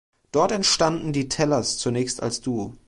Dort entstanden die Tellers zunächst als Duo.